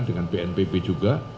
dengan bnpb juga